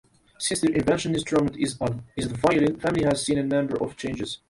Since their invention, instruments in the violin family have seen a number of changes.